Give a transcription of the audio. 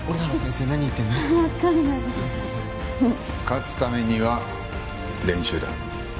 勝つためには練習だ。